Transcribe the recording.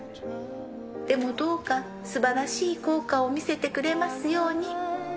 でもどうか、すばらしい効果を見せてくれますように。